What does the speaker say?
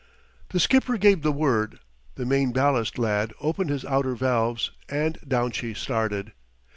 The skipper gave the word, the main ballast lad opened his outer valves, and down she started.